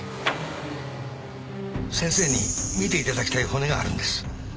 先生に見て頂きたい骨があるんです。